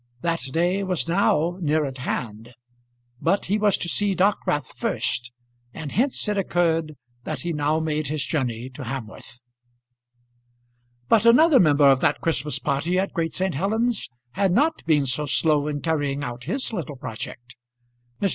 That day was now near at hand; but he was to see Dockwrath first, and hence it occurred that he now made his journey to Hamworth. But another member of that Christmas party at Great St. Helen's had not been so slow in carrying out his little project. Mr.